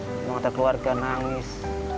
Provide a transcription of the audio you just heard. memang ada keluarga nangis